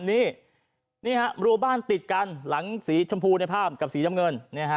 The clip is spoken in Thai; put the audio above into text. นี่ฮะรัวบ้านติดกันหลังสีชมพูในภาพกับสีน้ำเงิน